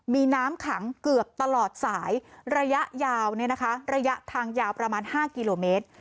มีน้ำขังเกือบตลอดสายระยะยาวระยะทางยาวประมาณ๕กิโลเมตร